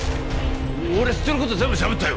俺知ってる事全部しゃべったよ！